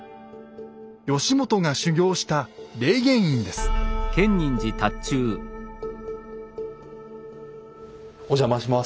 義元が修行したお邪魔します。